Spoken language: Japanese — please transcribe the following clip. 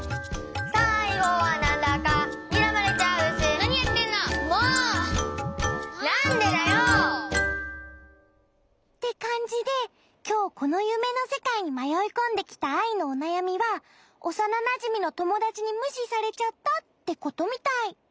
なにやってんの！？ってかんじできょうこのゆめのせかいにまよいこんできたアイのおなやみはおさななじみのともだちにむしされちゃったってことみたい。